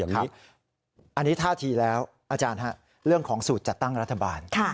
อันนี้ท่าทีแล้วอาจารย์เรื่องของสูตรจัดตั้งรัฐบาล